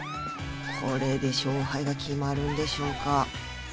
これで勝敗が決まるんでしょうか？